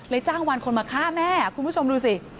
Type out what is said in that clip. จ้างวันคนมาฆ่าแม่คุณผู้ชมดูสิ